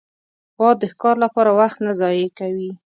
باز د ښکار لپاره وخت نه ضایع کوي